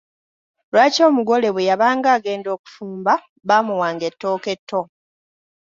Lwaki omugole bwe yabanga agenda okufumba baamuwanga ettooke tto?